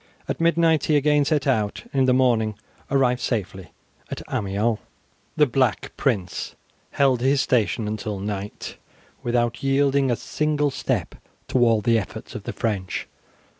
At midnight he again set out, and in the morning arrived safely at Amiens. The Black Prince held his station until night without yielding a single step to all the efforts of the French.